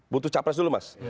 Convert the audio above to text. butuh capres dulu mas